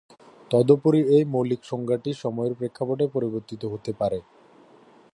তদুপরি এ মৌলিক সংজ্ঞাটি সময়ের প্রেক্ষাপটে পরিবর্তিত হতে পারে।